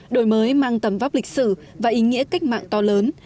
đổi mới mang tầm vóc lịch sử và ý nghĩa cách mạng to lớn